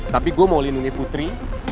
tapi gue mau lindungi putri